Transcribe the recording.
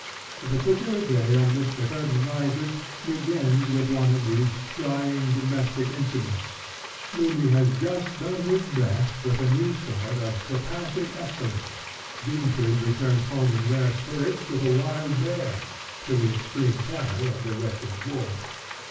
The particular day on which the curtain rises begins with one of these trying domestic incidents. Mimmy has just done his best with a new sword of surpassing excellence. Siegfried returns home in rare spirits with a wild bear, to the extreme terror of the wretched dwarf.